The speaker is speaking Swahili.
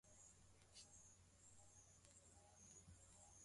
wataingia kati ya mviringo kuanza kuruka bila kuacha visigino vyao kugusa ardhi